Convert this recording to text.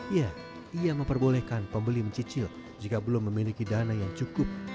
ya ia memperbolehkan pembeli mencicil jika belum memiliki dana yang cukup